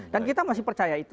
dan kita masih percaya itu